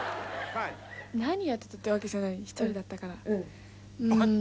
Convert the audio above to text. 「何やってたってわけじゃない」「一人だったから」